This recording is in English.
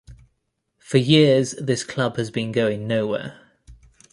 For years this club has been going nowhere.